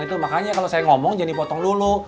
itu makanya kalau saya ngomong jangan dipotong dulu